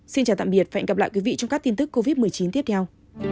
xin chào tạm biệt và hẹn gặp lại quý vị trong các tin tức covid một mươi chín tiếp theo